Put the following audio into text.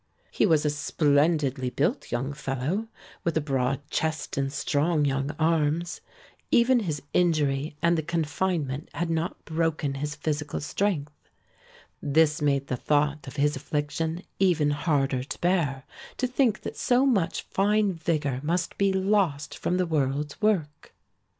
He was a splendidly built young fellow with a broad chest and strong young arms. Even his injury and the confinement had not broken his physical strength. This made the thought of his affliction even harder to bear, to think that so much fine vigor must be lost from the world's work.